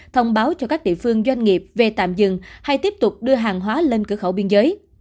thông báo cho các địa phương doanh nghiệp về tạm dừng hay tiếp tục đưa hàng hóa lên cửa khẩu biên giới